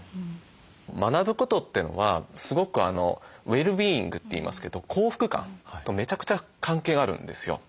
学ぶことってのはすごくウェルビーイングって言いますけど幸福感とめちゃくちゃ関係があるんですよ。